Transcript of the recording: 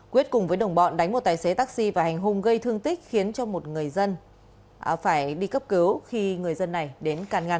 quyết cùng với đồng bọn đánh một tài xế taxi và hành hung gây thương tích khiến cho một người dân phải đi cấp cứu khi người dân này đến can ngăn